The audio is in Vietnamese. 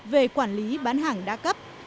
về quản lý bán hàng đa cấp